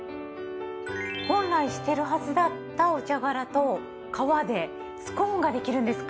本来捨てるはずだったお茶殻と皮でスコーンができるんですか？